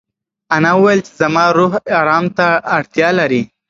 انا وویل چې زما روح ارام ته اړتیا لري.